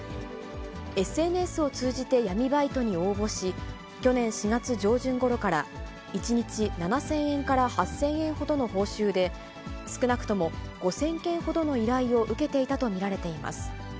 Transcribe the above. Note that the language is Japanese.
ＳＮＳを通じて闇バイトに応募し、去年４月上旬ごろから１日７０００円から８０００円ほどの報酬で、少なくとも５０００件ほどの依頼を受けていたと見られています。